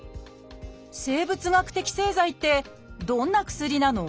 「生物学的製剤」ってどんな薬なの？